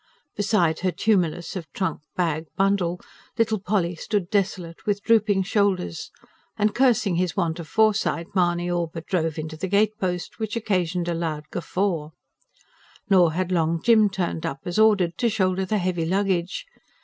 Beside her tumulus of trunk, bag, bundle little Polly stood desolate, with drooping shoulders; and cursing his want of foresight, Mahony all but drove into the gatepost, which occasioned a loud guffaw. Nor had Long Jim turned up as ordered, to shoulder the heavy luggage.